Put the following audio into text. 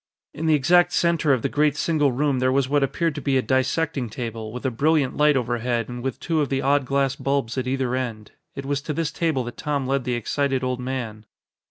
In the exact center of the great single room there was what appeared to be a dissecting table, with a brilliant light overhead and with two of the odd glass bulbs at either end. It was to this table that Tom led the excited old man.